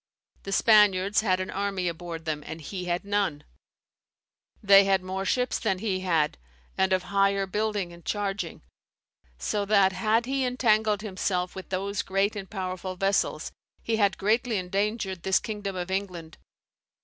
The Spaniards had an army aboard them, and he had none; they had more ships than he had, and of higher building and charging; so that, had he entangled himself with those great and powerful vessels, he had greatly endangered this kingdom of England.